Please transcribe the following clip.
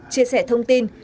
chia sẻ thông tin